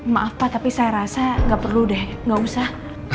maaf pak tapi saya rasa gak perlu deh nggak usah